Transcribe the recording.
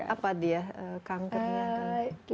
apa dia kankernya